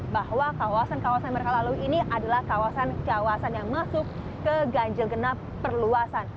bahwa kawasan kawasan yang mereka lalui ini adalah kawasan kawasan yang masuk ke ganjil genap perluasan